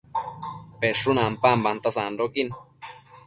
peshun ampambanta sandoquin